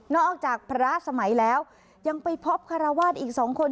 อกจากพระสมัยแล้วยังไปพบคารวาสอีก๒คน